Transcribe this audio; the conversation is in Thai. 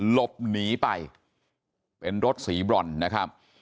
หลบหนีไปเป็นรถสีบรอนนะครับ